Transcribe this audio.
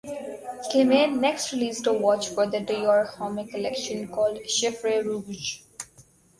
Slimane next released a watch for the Dior Homme collection called Chiffre Rouge.